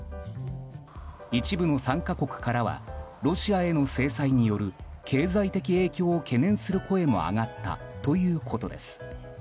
一部の参加国からはロシアへの制裁による経済的影響を懸念する声も上がったということです。